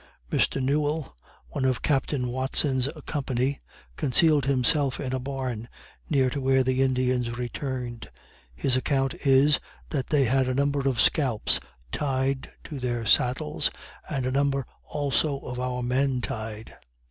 Mr. Newel, one of Captain Watson's company, concealed himself in a barn, near to where the Indians returned. His account is, that they had "a number of scalps tied to their saddles, and a number also of our men tied."